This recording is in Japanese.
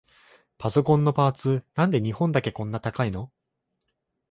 パソコンのパーツ、なんで日本だけこんな高いの？